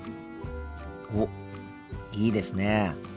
おっいいですね。